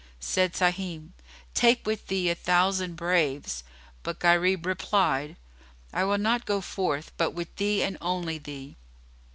Said Sahim, "Take with thee a thousand braves;" but Gharib replied, "I will not go forth but with thee and only thee."